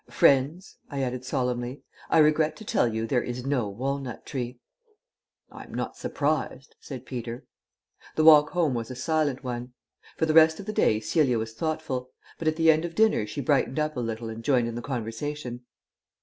Friends," I added solemnly, "I regret to tell you there is no walnut tree." "I am not surprised," said Peter. The walk home was a silent one. For the rest of the day Celia was thoughtful. But at the end of dinner she brightened up a little and joined in the conversation.